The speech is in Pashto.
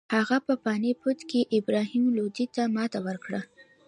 هغه په پاني پت کې ابراهیم لودي ته ماتې ورکړه.